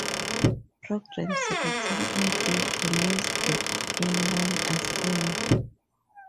Programs written in D can use the inline assembler.